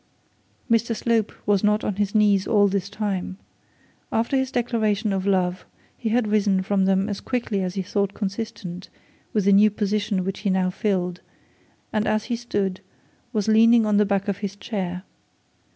Mr Slope was not on his knees all this time. After his declaration of love he had risen from them as quickly as he thought consistent with the new position which he now filled, and as he stood was leaning on the back of his chair.